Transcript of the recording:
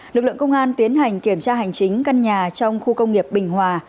lực lượng công an tiến hành kiểm tra hành chính căn nhà trong khu công nghiệp bình hòa